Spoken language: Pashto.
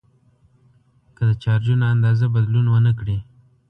که د چارجونو اندازه بدلون ونه کړي.